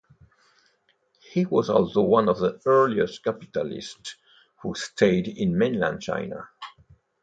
He was also one of the earliest capitalists who stayed in mainland China.